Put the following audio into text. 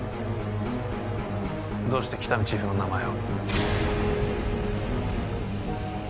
どうして喜多見チーフの名前を？